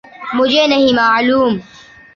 مجھے نہیں معلوم۔